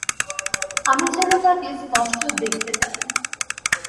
আমি যেন তাঁকে স্পষ্ট দেখতে পাই।